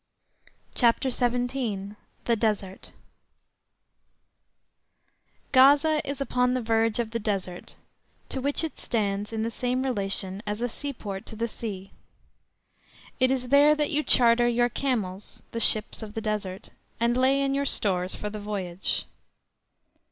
CHAPTER XVII—THE DESERT Gaza is upon the verge of the Desert, to which it stands in the same relation as a seaport to the sea. It is there that you charter your camels ("the ships of the Desert"), and lay in your stores for the voyage.